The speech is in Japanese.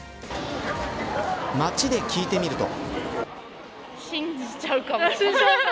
街で聞いてみると。